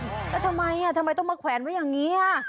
แล้วทำไมทำไมต้องมาแขวนไว้อย่างนี้